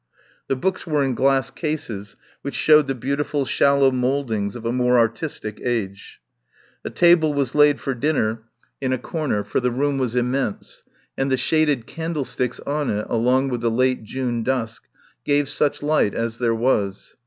The books were in glass cases, which showed the beautiful shallow mouldings of a more ar tistic age. A table was laid for dinner in a 61 THE POWER HOUSE corner, for the room was immense, and the shaded candlesticks on it, along with the late June dusk, gave such light as there was.